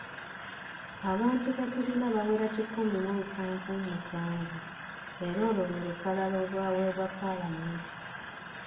Abantu be tulina bawera kikumi mu nsanvu mu musanvu era olwo lwe lukalala olwaweebwa Paalamenti.